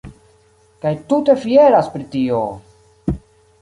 Kaj tute fieras pri tio!